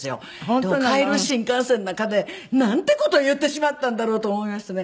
でも帰る新幹線の中でなんて事言ってしまったんだろうと思いましてね。